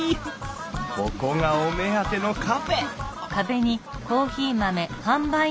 ここがお目当てのカフェ！